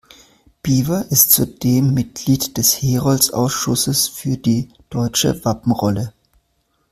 Biewer ist zudem Mitglied des Herolds-Ausschusses für die Deutsche Wappenrolle.